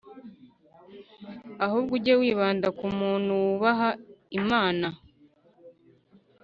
Ahubwo ujye wibanda ku muntu wubaha Imana,